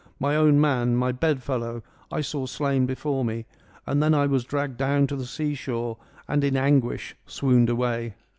My own man, my bed fellow, I saw slain before me ; and then J EURIPIDES 101 was dragged down to the sea shore, and in anguish swooned away.'